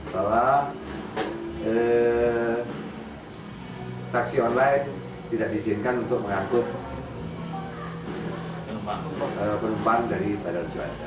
bahwa taksi online tidak diizinkan untuk mengangkut penumpang dari bandara juanda